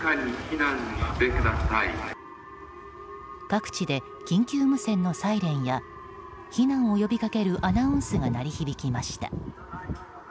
各地で緊急無線のサイレンや避難を呼びかけるアナウンスが鳴り響きました。